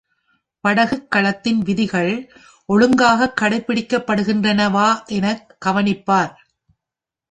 படகுக் கழகத்தின் விதிகள் ஒழுங்காகக் கடைப்பிடிக்கப்படுகின்றனவா எனக் கவனிப்பார்.